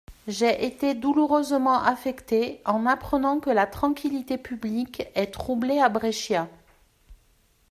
J'ai été douloureusement affecté en apprenant que la tranquillité publique est troublée à Brescia.